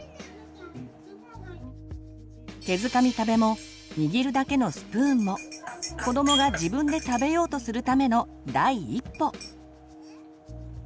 手づかみ食べも握るだけのスプーンも子どもが自分で食べようとするための第一歩。